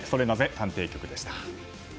探偵局でした。